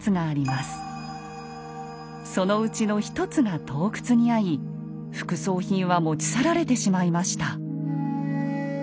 そのうちの一つが盗掘にあい副葬品は持ち去られてしまいました。